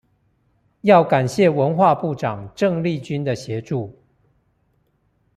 要感謝文化部長鄭麗君的協助